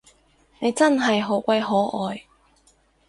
你真係好鬼可愛